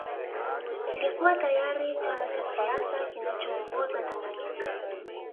Kilikuwa tayari chama cha siasa kinachoongoza Tanganyika